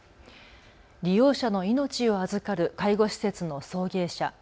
利用者の命を預かる介護施設の送迎車。